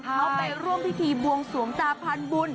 เขาไปร่วมพิธีบวงสวงตาพันบุญ